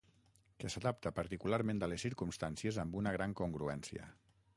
Que s'adapta particularment a les circumstàncies amb una gran congruència.